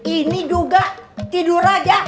ini juga tidur aja